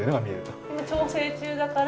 今調整中だから。